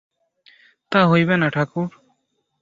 তা হইবে না ঠাকুর।